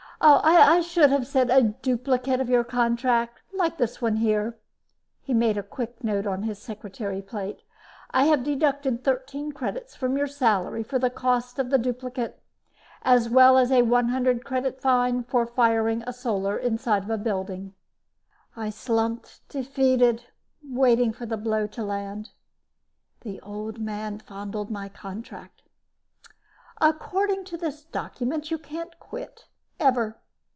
"I should have said a duplicate of your contract like this one here." He made a quick note on his secretary plate. "I have deducted 13 credits from your salary for the cost of the duplicate as well as a 100 credit fine for firing a Solar inside a building." I slumped, defeated, waiting for the blow to land. The Old Man fondled my contract. "According to this document, you can't quit. Ever.